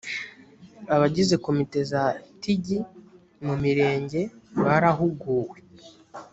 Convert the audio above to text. abagize komite za tig mu mirenge barahuguwe